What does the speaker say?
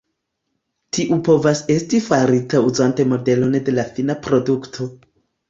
Tiu povas esti farita uzante modelon de la fina produkto.